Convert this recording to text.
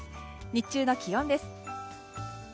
日中の気温です。